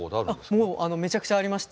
もうめちゃくちゃありまして。